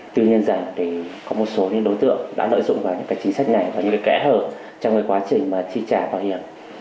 tuy nhiên rằng có một số đối tượng đã nợ dụng vào những chính sách này và những kẽ hợp trong quá trình chi trả mạo hiểm